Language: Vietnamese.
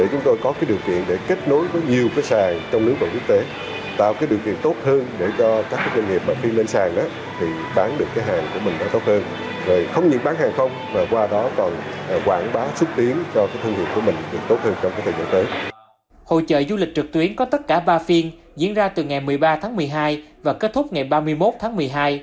hội chợ du lịch trực tuyến có tất cả ba phiên diễn ra từ ngày một mươi ba tháng một mươi hai và kết thúc ngày ba mươi một tháng một mươi hai